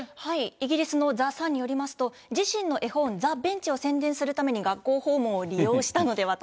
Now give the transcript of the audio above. イギリスのザ・サンによりますと、自身の絵本、ザ・ベンチを宣伝するために学校訪問を利用したのではと。